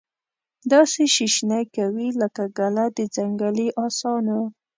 داسي شیشنی کوي لکه ګله د ځنګلې اسانو